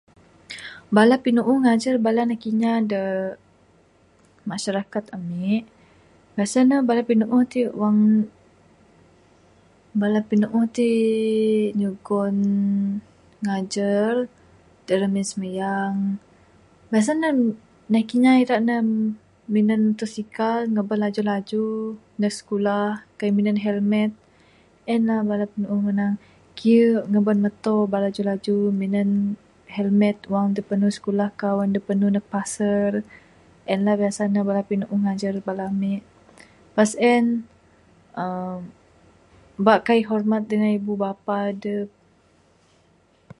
Bala pinuuh ngajar bala anak inya de masyarakat ami. Biasa ne bala pinuuh wang, bala pinuuh ti nyugon, ngajar dalam ami simayang. Biasa ne anak inya ira ne mutosikal ngaban laju laju neg sikulah, kaik minan helmet. En lah bala pinuuh manang kiyek ngaban moto ba laju laju, nan helmet, wang dep panu sikulah ka wang dep panu neg pasar. En lah bala pinuuh da biasa ngajar ami.